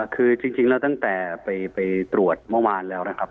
คือจริงแล้วตั้งแต่ไปตรวจเมื่อวานแล้วนะครับ